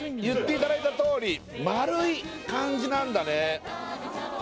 言っていただいたとおり丸い感じなんだね